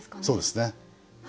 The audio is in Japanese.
そうですね。